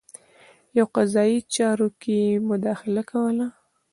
په قضايي چارو کې یې مداخله کوله.